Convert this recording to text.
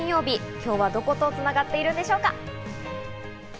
今日はどこと繋がっているでしょうか。